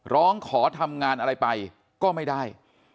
ร้องขอทำงานอะไรไปก็ไม่ได้